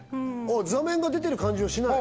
座面が出てる感じはしない？